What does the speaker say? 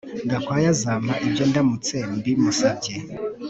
Gakwaya azampa ibyo ndamutse mbimusabye